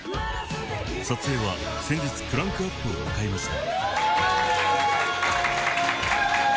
［撮影は先日クランクアップを迎えました］